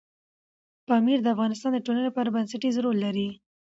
پامیر د افغانستان د ټولنې لپاره بنسټيز رول لري.